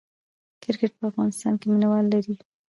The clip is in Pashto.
کرکټ په افغانستان کې مینه وال لري